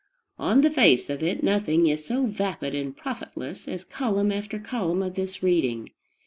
On the face of it nothing is so vapid and profitless as column after column of this reading.